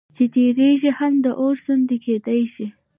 چې تيږي هم د اور سوند كېدى شي